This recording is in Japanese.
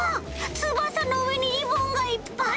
つばさのうえにリボンがいっぱい！